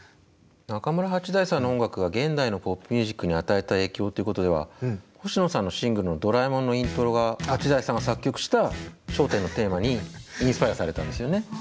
中村八大さんの音楽が現代のポップミュージックに与えた影響っていうことでは星野さんのシングルの「ドラえもん」のイントロが八大さんが作曲した「笑点のテーマ」にインスパイアされたんですよね。